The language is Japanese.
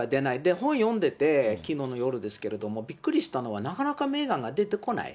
本読んでて、きのうの夜ですけれども、びっくりしたのは、なかなかメーガンが出てこない。